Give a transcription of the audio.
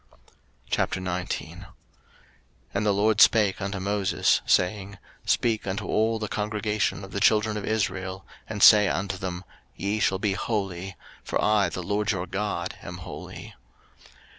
03:019:001 And the LORD spake unto Moses, saying, 03:019:002 Speak unto all the congregation of the children of Israel, and say unto them, Ye shall be holy: for I the LORD your God am holy.